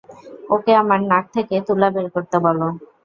ওকে আমার নাক থেকে তুলা বের করতে বলো।